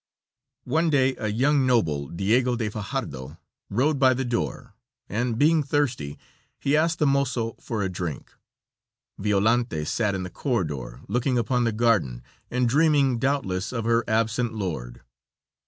One day a young noble, Diego de Fajardo, rode by the door, and, being thirsty, he asked the mozo for a drink. Violante sat in the corridor, looking upon the garden, and dreaming, doubtless, of her absent lord.